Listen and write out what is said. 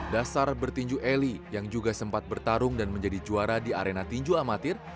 dasar bertinju eli yang juga sempat bertarung dan menjadi juara di arena tinju amatir